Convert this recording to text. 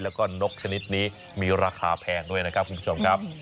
แล้วก็นกชนิดนี้มีราคาแพงด้วยนะครับคุณผู้ชมครับ